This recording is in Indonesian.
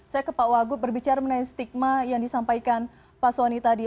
saya ke pak wagub berbicara mengenai stigma yang disampaikan pak soni tadi